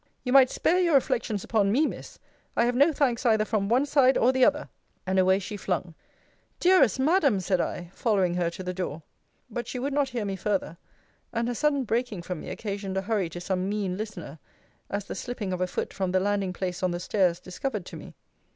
You might spare your reflections upon me, Miss. I have no thanks either from one side or the other. And away she flung. Dearest Madam! said I, following her to the door But she would not hear me further; and her sudden breaking from me occasioned a hurry to some mean listener; as the slipping of a foot from the landing place on the stairs discovered to me.